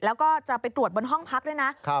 แล้วก็จะไปตรวจบนห้องพักด้วยนะ